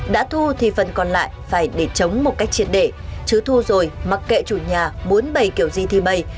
đã thu thì phần còn lại phải để chống một cách triệt để chứ thu rồi mặc kệ chủ nhà muốn bày kiểu gì thi bày